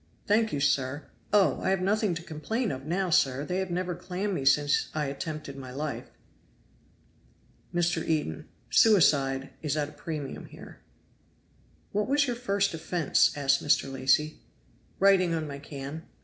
"Thank you, sir. Oh! I have nothing to complain of now, sir; they have never clammed me since I attempted my life." Mr. Eden. "Suicide is at a premium here." "What was your first offense?" asked Mr. Lacy. "Writing on my can."